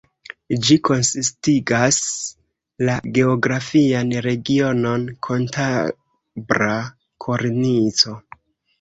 Ĝi konsistigas la geografian regionon Kantabra Kornico.